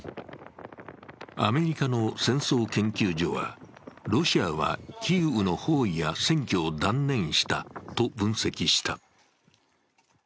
アメリカの戦争研究所はロシアはキーウの包囲や占拠を断念したと分析した。